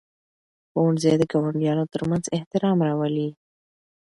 ښوونځي د ګاونډیانو ترمنځ احترام راولي.